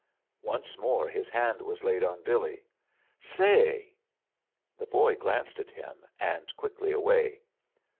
Once more his hand was laid on Billy. >x"Sayr The boy glanced at him, and qtfickly away.